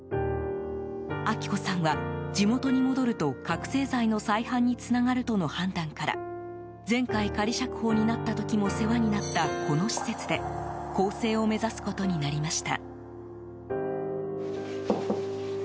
明子さんは、地元に戻ると覚醒剤の再犯につながるとの判断から前回、仮釈放になった時も世話になったこの施設で更生を目指すことになりました。